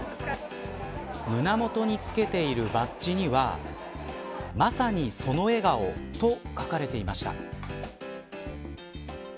胸元につけているバッジにはまさにその笑顔と書かれていました。